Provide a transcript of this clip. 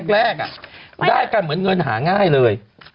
แรกได้กันเหมือนเงินหาง่ายเลย